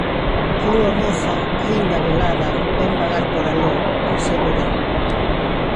A lúa moza, aínda velada, vén vagar por aló, insegura.